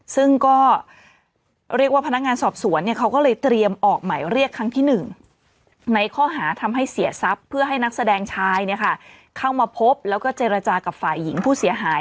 ซึ่งก็เรียกว่าพนักงานสอบสวนเขาก็เลยเตรียมออกหมายเรียกครั้งที่๑ในข้อหาทำให้เสียทรัพย์เพื่อให้นักแสดงชายเข้ามาพบแล้วก็เจรจากับฝ่ายหญิงผู้เสียหาย